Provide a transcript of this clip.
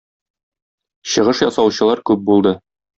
Чыгыш ясаучылар күп булды.